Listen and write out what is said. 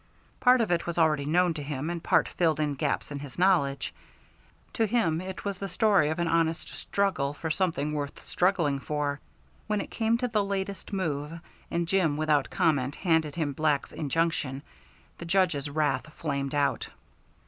Part of it was already known to him, and part filled in gaps in his knowledge. To him it was the story of an honest struggle for something worth struggling for. When it came to the latest move, and Jim without comment handed him Black's injunction, the Judge's wrath flamed out.